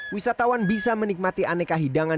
wisatawan bisa menikmati aneka hidangan